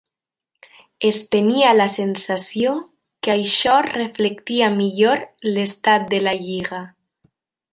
Es tenia la sensació que això reflectia millor l'estat de la lliga.